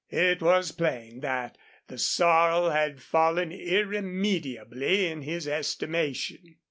It was plain that the sorrel had fallen irremediably in his estimation.